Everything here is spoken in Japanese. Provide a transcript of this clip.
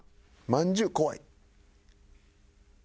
「まんじゅう怖い」。